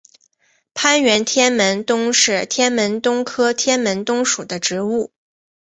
攀援天门冬是天门冬科天门冬属的植物。